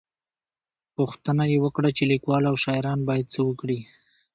_پوښتنه يې وکړه چې ليکوال او شاعران بايد څه وکړي؟